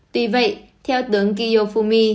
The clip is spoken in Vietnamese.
tuy vậy theo tướng kiyofumi